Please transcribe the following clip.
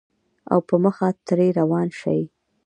او پۀ مخه ترې روان شې